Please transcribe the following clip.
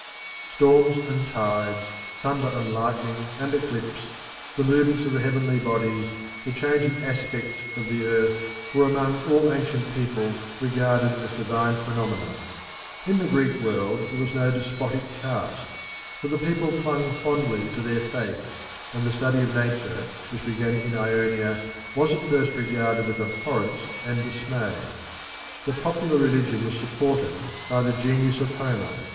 Storms and tides, thunder and lightning and eclipse, the movements of the heavenly bodies, the changing aspects of the earth, were among all ancient people regarded as divine phenomena. In the Greek world there was no despotic caste, but the people clung fondly to their faith, and the study of Nature, which began in Ionia, was at first regarded with abhorrence and dismay. The popular religion was supported by the genius of Homer.